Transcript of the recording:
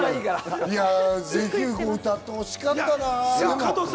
ぜひ歌ってほしかったな。